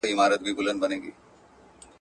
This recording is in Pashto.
که مسواک ووهو نو خوله نه بوی کوي.